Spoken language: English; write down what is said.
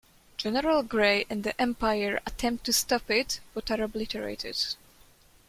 General Gray and the empire attempt to stop it, but are obliterated.